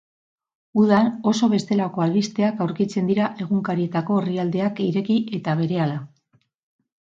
Udan oso bestelako albisteak aurkitzen dira egunkarietako orrialdeak ireki eta berehala.